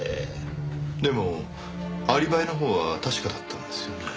でもアリバイのほうは確かだったんですよね？